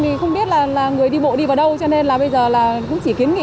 vì không biết là người đi bộ đi vào đâu cho nên là bây giờ là cũng chỉ kiến nghị